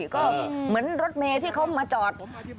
ก็เหมือนรถเมย์ที่เขามาจอด